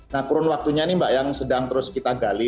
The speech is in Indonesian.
nah kurun waktunya ini mbak yang sedang terus kita gali